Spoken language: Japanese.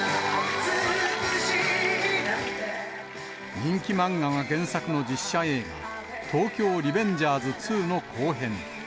人気漫画が原作の実写映画、東京リベンジャーズ２の後編。